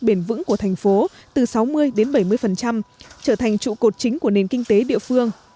bền vững của thành phố từ sáu mươi đến bảy mươi trở thành trụ cột chính của nền kinh tế địa phương